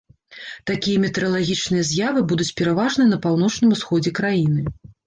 Такія метэаралагічныя з'явы будуць пераважна на паўночным усходзе краіны.